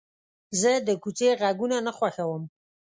زه د کوڅې غږونه نه خوښوم.